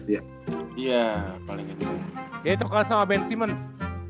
dia itu sama ben simmons